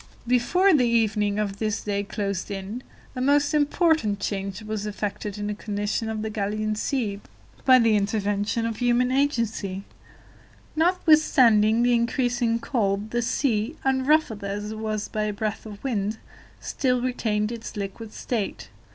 Before the evening of this day closed in, a most important change was effected in the condition of the Gallian Sea by the intervention of human agency. Notwithstanding the increasing cold, the sea, unruffled as it was by a breath of wind, still retained its liquid state.